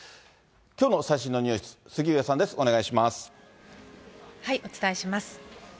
きょうの最新のニュース、杉上さお伝えします。